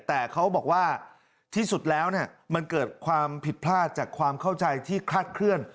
แต่เขาบอกว่าที่สุดแล้วมันเกิดความผิดพลาดจากความเข้าใจที่คลาดเคลื่อน